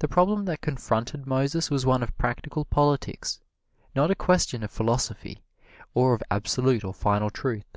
The problem that confronted Moses was one of practical politics, not a question of philosophy or of absolute or final truth.